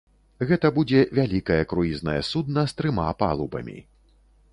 Гэта будзе вялікае круізнае судна з трыма палубамі.